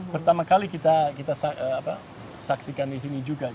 pertama kali kita saksikan di sini juga